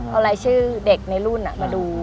เอารายชื่อเด็กในรุ่นมาดู